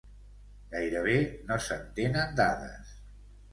Gairebé no se'n tenen dades.